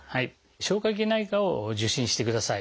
消化器内科を受診してください。